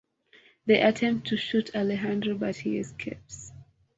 They attempt to shoot Alejandro but he escapes.